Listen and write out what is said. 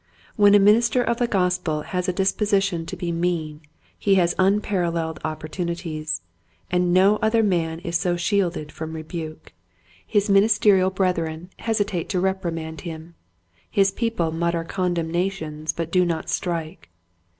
When a minister of the Gospel has a disposition to be mean he has un paralleled opportunities, and no other man is so shielded from rebuke. His ministe Meanness. 159 rial brethren hesitate to reprimand him, his people mutter condemnations but do not strike.